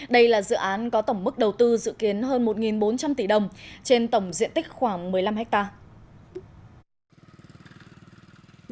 đây là dự án có tổng mức đầu tư dự kiến hơn một bốn trăm linh tỷ đồng trên tổng diện tích khoảng một mươi năm hectare